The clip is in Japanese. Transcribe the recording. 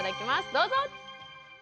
どうぞ。